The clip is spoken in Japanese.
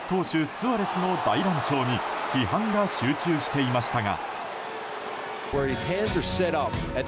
スアレスの大乱調に批判が集中していましたが。